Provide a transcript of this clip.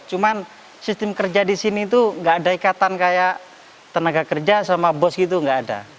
cuman sistem kerja di sini itu gak ada ikatan kayak tenaga kerja sama bos gitu nggak ada